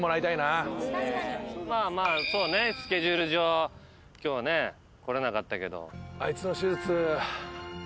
まあまあそうねスケジュール上今日は来れなかったけど。